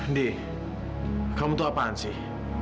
nih kamu tuh apaan sih